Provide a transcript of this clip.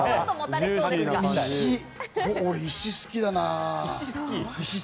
石、俺、石好きだな。